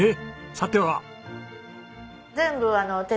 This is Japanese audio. さては。